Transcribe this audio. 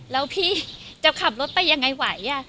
แล้วพี่จะขับรถไปยังไงไหว